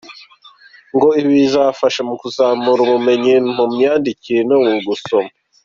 Ngo ibi bikazafasha mu kuzamura ubumenyi mu myandikire no gusoma.